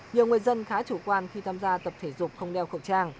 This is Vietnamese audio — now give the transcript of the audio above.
nhiều người dân khá chủ quan khi tham gia tập thể dục không đeo khẩu trang